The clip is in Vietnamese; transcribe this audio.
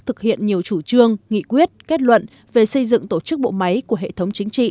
thực hiện nhiều chủ trương nghị quyết kết luận về xây dựng tổ chức bộ máy của hệ thống chính trị